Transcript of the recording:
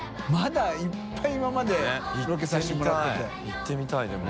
行ってみたいでも。